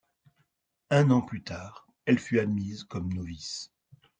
Un an plus tard, elle fut admise comme novice.